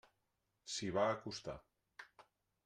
S'hi va acostar.